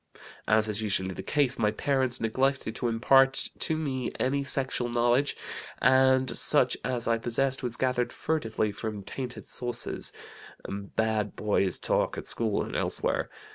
"As is usually the case, my parents neglected to impart to me any sexual knowledge, and such as I possessed was gathered furtively from tainted sources, bad boys' talk at school and elsewhere.